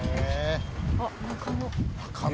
あっ「中野」。